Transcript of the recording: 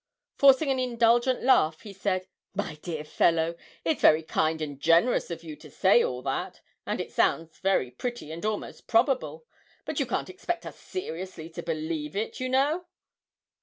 Forcing an indulgent laugh, he said, 'My dear fellow, it's very kind and generous of you to say all that, and it sounds very pretty and almost probable, but you can't expect us seriously to believe it, you know!'